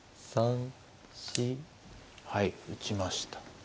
はい打ちました。